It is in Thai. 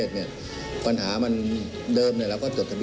ก็คือกลับมาถูกต้อง